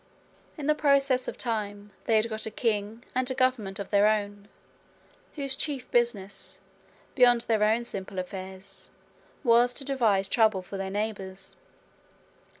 In the process of time they had got a king and a government of their own, whose chief business, beyond their own simple affairs, was to devise trouble for their neighbours.